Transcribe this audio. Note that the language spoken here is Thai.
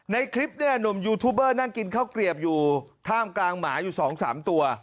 ในคลิปเนี่ยหนุ่มยูทูบเบอร์นั่งกินข้าวเกลียบอยู่ท่ามกลางหมาอยู่๒๓ตัว